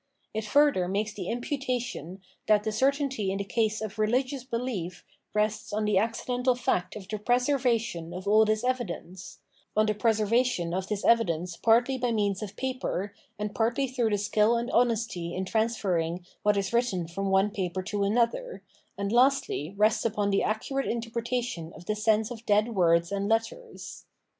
It further makes the imputation that the certainty in the case of rehgious behef rests on the accidental fact of the preservation of ah this evidence ; on the preservation of this evidence partly by means of paper, and partly The Struggle of Enlightenment with Superstition 563 through, the skill and honesty in transferring what is written from one paper to another, and lastly rests upon the accurate interpretation of the sense of dead words and letters.